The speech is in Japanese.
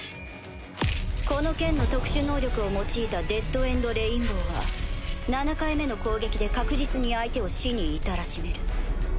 この剣の特殊能力を用いたデッド・エンド・レインボーは７回目の攻撃で確実に相手を死に至らしめる。